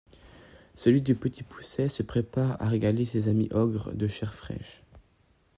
Celui du Petit Poucet se prépare à régaler ses amis Ogres de chair fraîche.